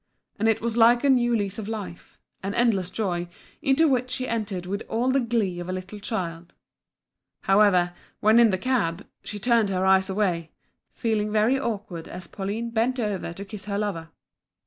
and it was like a new lease of life, an endless joy, into which she entered with all the glee of a little child. However, when in the cab, she turned her eyes away, feeling very awkward as Pauline bent over to kiss her lover.